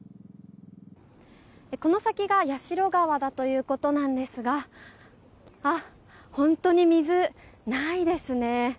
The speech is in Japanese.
この先が矢代川だということなんですが本当に水、ないですね。